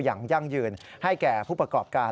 ยั่งยืนให้แก่ผู้ประกอบการ